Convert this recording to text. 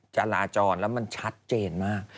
จราจรแล้วมันชัดเจนมาก